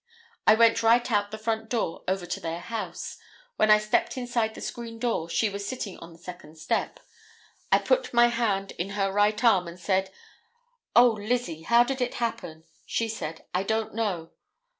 I went right out the front door over to their house; when I stepped inside the screen door, she was sitting on the second step; I put my hand in her right arm and said: 'Oh, Lizzie, how did it happen?' She said: 'I don't know.